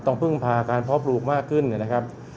ต้องพึ่งพาการเพาะปลูกมากขึ้นนะครับ